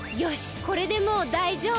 これでもうだいじょう。